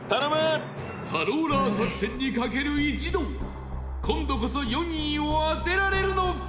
タローラー作戦に賭ける一同今度こそ４位を当てられるのか？